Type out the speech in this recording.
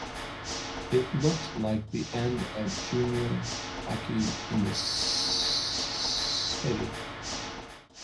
It looked like the end of Junior hockey in the city.